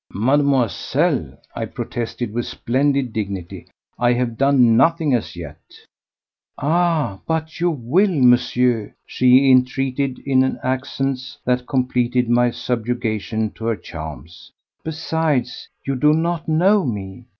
"Mademoiselle," I protested with splendid dignity, "I have done nothing as yet." "Ah! but you will, Monsieur," she entreated in accents that completed my subjugation to her charms. "Besides, you do not know me!